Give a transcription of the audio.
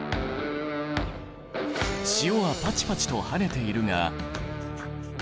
塩はパチパチとはねているが。